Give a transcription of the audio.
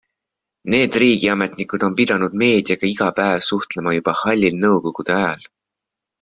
Need riigiametnikud on pidanud meediaga iga päev suhtlema juba hallil nõukogude ajal.